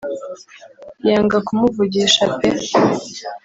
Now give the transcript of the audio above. yanga kumuvugisha pe